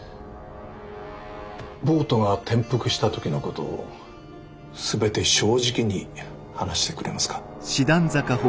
ボートが転覆した時のことを全て正直に話してくれますか？